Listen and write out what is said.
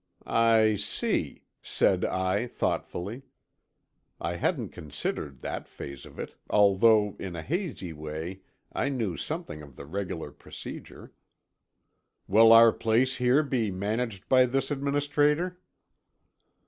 "I see," said I thoughtfully; I hadn't considered that phase of it, although in a hazy way I knew something of the regular procedure. "Will our place here be managed by this administrator?"